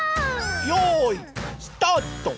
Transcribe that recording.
よういスタート。